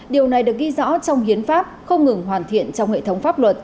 điều này được ghi rõ trong hiến pháp không ngừng hoàn thiện trong hệ thống pháp luật